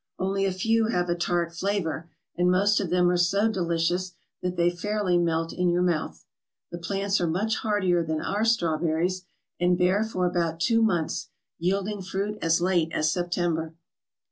Only a few have a tart flavour, and most of them are so delicious that they fairly melt in your mouth. The plants are much hardier than our strawberries and bear for about two months, yielding fruit as late as September.